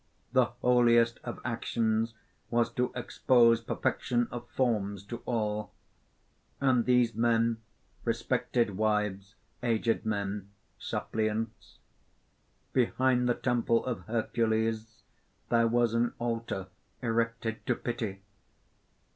The holiest of actions was to expose perfection of forms to all. "And these men respected wives, aged men, suppliants. "Behind the temple of Hercules there was an altar erected to Pity.